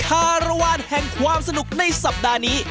คารวาลแห่งความสนุกในสัปดาห์นี้